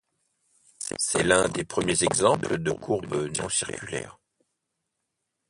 C'est l'un des premiers exemples de courbe non-circulaire.